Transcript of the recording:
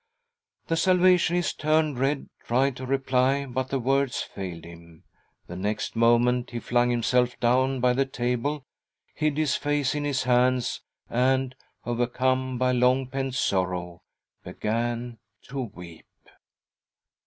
The Salvationist turned red, tried to reply, but the words failed him. The next moment he flung himself down by the table/ bid his face in his hands, and, overcome by long pent sorrow, began to weep.